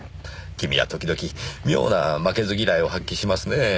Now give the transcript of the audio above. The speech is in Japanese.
君は時々妙な負けず嫌いを発揮しますねえ。